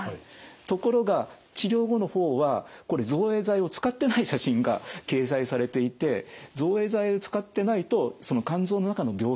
ところが治療後の方はこれ造影剤を使ってない写真が掲載されていて造影剤を使ってないとその肝臓の中の病変っていうのは非常に見えにくい。